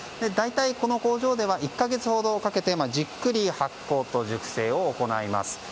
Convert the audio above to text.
大体、この工場では１か月ほどかけてじっくり発酵と熟成を行います。